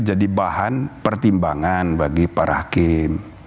jadi bahan pertimbangan bagi para hakim